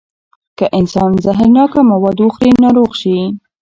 که انسان زهرناکه مواد وخوري، ناروغ شي.